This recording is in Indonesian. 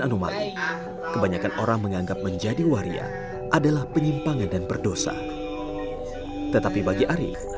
anomali kebanyakan orang menganggap menjadi waria adalah penyimpangan dan berdosa tetapi bagi arief